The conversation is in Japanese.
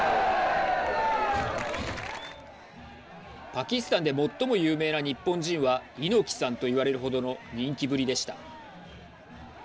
パキスタンで最も有名な日本人は猪木さんといわれるほどの人気ぶりでした。